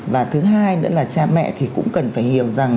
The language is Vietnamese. và thứ hai nữa là cha mẹ thì cũng cần phải hiểu rằng